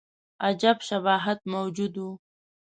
عجیب شباهت موجود وو.